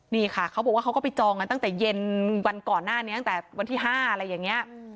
นี่ค่ะเขาบอกว่าเขาก็ไปจองกันตั้งแต่เย็นวันก่อนหน้านี้ตั้งแต่วันที่๕อะไรอย่างนี้